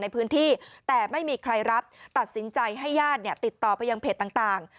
ในพื้นที่แต่ไม่มีใครรับตัดสินใจให้ญาติเนี่ยติดต่อไปยังเพจต่าง